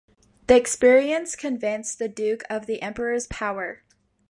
The experience convinced the Duke of the Emperor's power.